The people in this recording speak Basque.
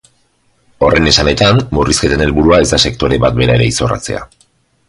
Horren esanetan, murrizketen helburua ez da sektore bat bera ere izorratzea.